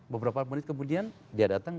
beberapa menit kemudian dia datang